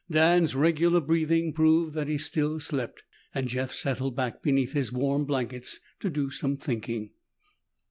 Dan's regular breathing proved that he still slept, and Jeff settled back beneath his warm blankets to do some thinking.